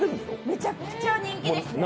めちゃくちゃ人気ですね。